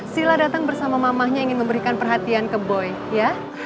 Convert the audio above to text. sila datang bersama mamahnya ingin memberikan perhatian ke boy ya